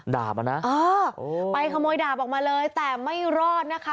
ดาบอ่ะนะเออไปขโมยดาบออกมาเลยแต่ไม่รอดนะคะ